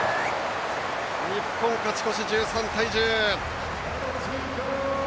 日本勝ち越し、１３対１０。